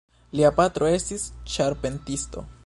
Lia patro estis ĉarpentisto.